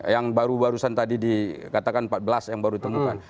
yang baru barusan tadi dikatakan empat belas yang baru ditemukan